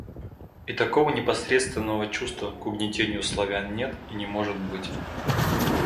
И такого непосредственного чувства к угнетению Славян нет и не может быть.